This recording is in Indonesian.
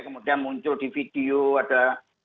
kemudian muncul di video ada